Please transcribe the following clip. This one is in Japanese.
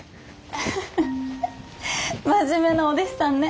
アハハ真面目なお弟子さんね。